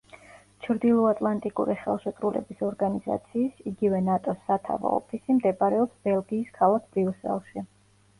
ჩრდილოატლანტიკური ხელშეკრულების ორგანიზაციის, იგივე ნატოს სათავო ოფისი მდებარეობს ბელგიის ქალაქ ბრიუსელში.